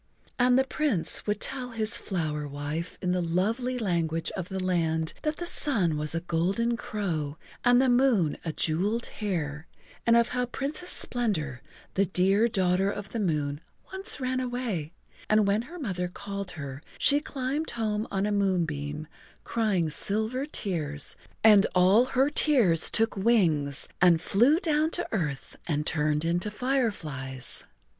And the Prince would tell his flower wife in the lovely language of the land that the sun was a golden crow and the moon a jeweled hare, and of how Princess Splendor, the dear daughter of the moon, once ran away, and when her mother called her she climbed home on a moonbeam crying silver tears, and all her tears took wings and flew down to earth and turned into fireflies.